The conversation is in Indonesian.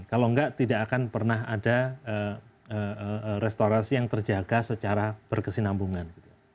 kalau enggak tidak akan pernah ada restorasi yang terjaga secara berkesinambungan